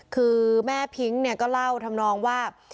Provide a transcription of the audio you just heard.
คือแม่พิ้งเนี่ยก็เล่าทำนองว่า